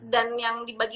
dan yang dibagi bagi